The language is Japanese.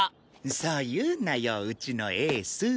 そう言うなようちのエースぅ！